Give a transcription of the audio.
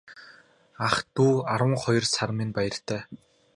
Ах дүү арван хоёр сар минь баяртай.